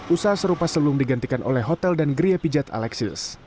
usaha serupa sebelum digantikan oleh hotel dan geria pijat alexis